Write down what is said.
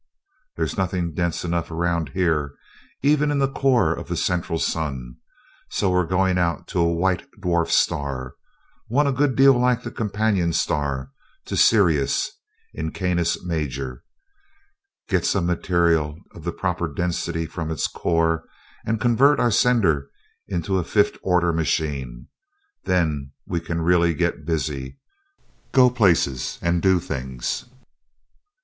There's nothing dense enough around here, even in the core of the central sun, so we're going out to a white dwarf star one a good deal like the companion star to Sirius in Canis Major get some material of the proper density from its core, and convert our sender into a fifth order machine. Then we can really get busy go places and do things."